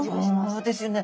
そうですよね。